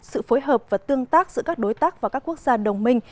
sự phối hợp và tương tác giữa các đối tác và các quốc gia đồng minh